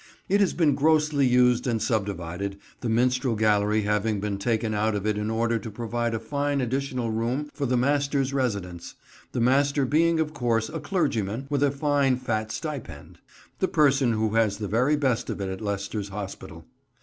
It has been grossly used and subdivided, the Minstrel Gallery having been taken out of it in order to provide a fine additional room for the Master's residence; the Master being, of course, a clergyman with a fine fat stipend: the person who has the very best of it at Leicester's Hospital.